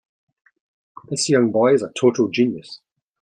This young boy is a total genius.